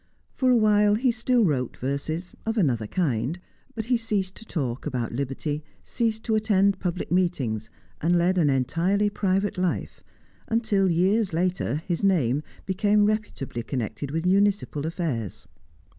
For a while he still wrote verses of another kind, but he ceased to talk about liberty, ceased to attend public meetings, and led an entirely private life until, years later, his name became reputably connected with municipal affairs.